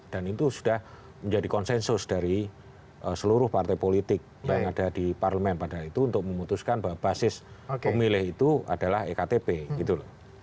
itu sudah menjadi konsensus dari seluruh partai politik yang ada di parlemen pada itu untuk memutuskan bahwa basis pemilih itu adalah ektp gitu loh